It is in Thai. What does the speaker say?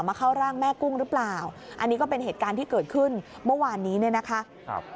เข้าร่างแม่กุ้งหรือเปล่าอันนี้ก็เป็นเหตุการณ์ที่เกิดขึ้นเมื่อวานนี้เนี่ยนะคะครับ